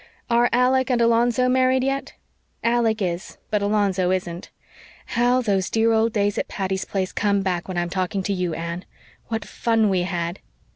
"Are Alec and Alonzo married yet?" "Alec is, but Alonzo isn't. How those dear old days at Patty's Place come back when I'm talking to you, Anne! What fun we had!"